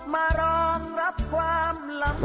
มารองรับความลำบาก